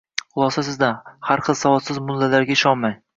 Xulosa sizdan, har xil savodsiz mullalarga ishonmang.